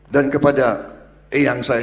dan kepada eang saya